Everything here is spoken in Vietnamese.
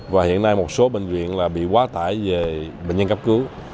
và hiện nay một số bệnh viện bị quá tải về bệnh nhân cấp cứu